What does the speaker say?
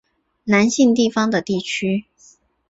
南信地方的地区。